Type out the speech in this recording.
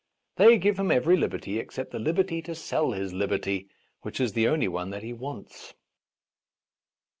They give him every liberty except the liberty to sell his liberty, which is the only one that he wants.